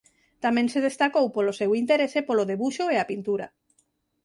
Tamén se destacou polo seu interese polo debuxo e a pintura.